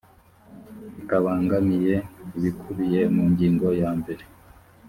bitabangamiye ibikubiye mu ngingo ya mbere